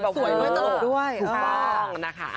สวยมากเลยถูกต้องนะคะ